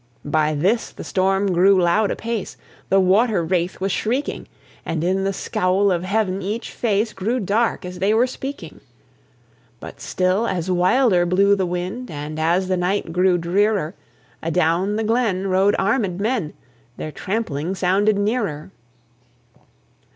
By this the storm grew loud apace, The water wraith was shrieking; And in the scowl of heaven each face Grew dark as they were speaking. But still as wilder blew the wind, And as the night grew drearer, Adown the glen rode armèd men, Their trampling sounded nearer.